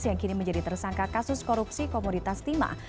yang kini menjadi tersangka kasus korupsi komoditas timah